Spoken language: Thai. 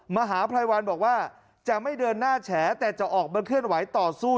มหาภัยวันบอกว่าจะไม่เดินหน้าแฉแต่จะออกมาเคลื่อนไหวต่อสู้